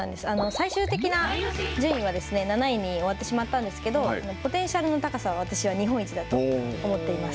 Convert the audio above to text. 最終的な順位は、７位に終わってしまったんですけど、ポテンシャルの高さは私は日本一だと思っています。